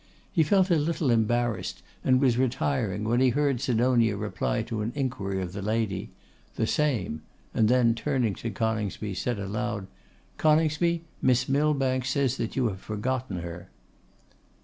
He felt a little embarrassed, and was retiring, when he heard Sidonia reply to an inquiry of the lady, 'The same,' and then, turning to Coningsby, said aloud, 'Coningsby, Miss Millbank says that you have forgotten her.